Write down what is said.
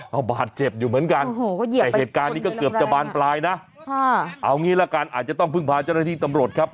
เอาบาดเจ็บอยู่เหมือนกันแต่เหตุการณ์นี้ก็เกือบจะบานปลายนะเอางี้ละกันอาจจะต้องพึ่งพาเจ้าหน้าที่ตำรวจครับ